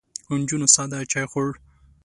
نجونو ساده چای خوړ.